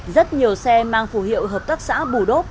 rất nhiều xe mang phù hiệu hợp tác xã bù đốp